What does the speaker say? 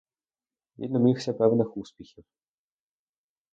Він домігся певних успіхів.